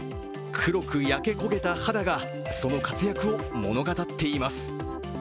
黒く焼け焦げた肌がその活躍を物語っています。